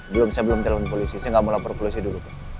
belum sebelum telepon polisi saya nggak mau lapor polisi dulu pak